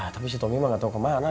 tapi si tommy mah gak tau kemana